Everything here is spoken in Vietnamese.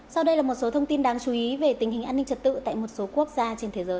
sau đây là một số thông tin đáng chú ý về tình hình an ninh trật tự tại một số quốc gia trên thế giới